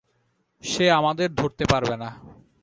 সে আমাদের ধরতে পারবে না।